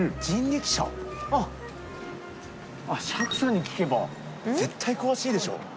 車夫さんに聞けば絶対詳しいでしょ。